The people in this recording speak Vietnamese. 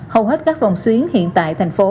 hầu hết các vòng xuyến hiện tại thành phố